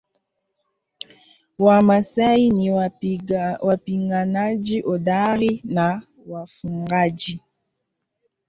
Wamasai ni wapiganaji hodari na wafugaji